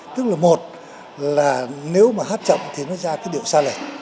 tức là một là nếu mà hát chậm thì nó ra cái điệu sa lệ